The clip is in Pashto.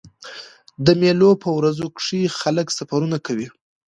د مېلو په ورځو کښي خلک سفرونه کوي.